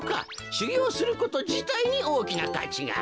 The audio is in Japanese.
しゅぎょうすることじたいにおおきなかちがある。